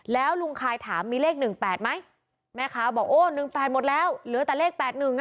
แล้วลุงคายถามมีเลข๑๘ไหมแม่ค้าบอกโอ้๑๘หมดแล้วเหลือแต่เลข๘๑อ่ะ